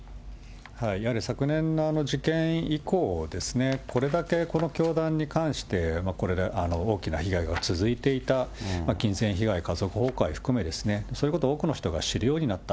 やはり昨年のあの事件以降ですね、これだけこの教団に関して、大きな被害が続いていた、金銭被害、家族崩壊含め、そういうことを多くの人が知るようになった。